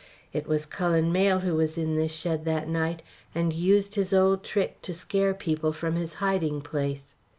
It was Cullen Mayle who was in this shed that night, and used his old trick to scare people from his hiding place.